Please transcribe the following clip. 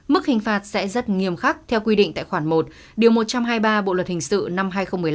mức hình phạt sẽ rất nghiêm khắc theo quy định tại khoản một điều một trăm hai mươi ba bộ luật hình sự năm hai nghìn một mươi năm